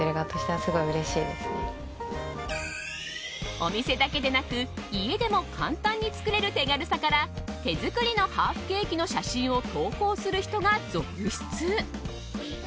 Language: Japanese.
お店だけでなく家でも簡単に作れる手軽さから手作りのハーフケーキの写真を投稿する人が続出。